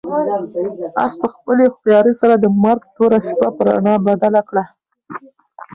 آس په خپلې هوښیارۍ سره د مرګ توره شپه په رڼا بدله کړه.